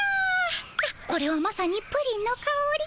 はっこれはまさにプリンのかおり。